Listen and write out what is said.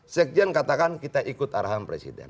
sekjen katakan kita ikut arahan presiden